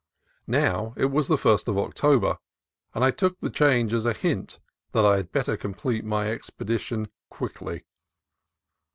Now it was the first of October, and I took the change as a hint that I had better complete my expedition quickly.